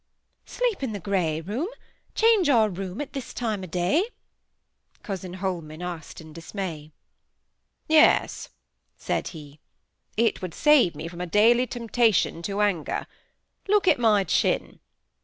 "Sleep in the grey room?—change our room at this time o' day?" cousin Holman asked, in dismay. "Yes," said he. "It would save me from a daily temptation to anger. Look at my chin!"